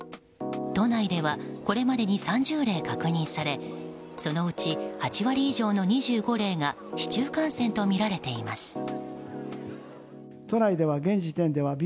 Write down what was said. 都内ではこれまでに３０例確認されそのうち８割以上の２５例が市中感染とみられています。